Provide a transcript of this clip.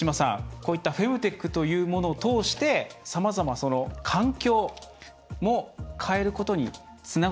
こういったフェムテックというものを通してさまざま環境も変えることにつながっていくんでしょうか。